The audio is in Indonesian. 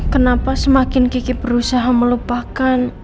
kenapa semakin gigi berusaha melupakan